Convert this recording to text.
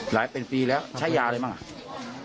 หลายเป็นปีแล้วใช้ยาอะไรบ้างอ่ะ